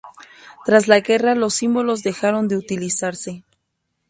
Tras la guerra los símbolos dejaron de utilizarse.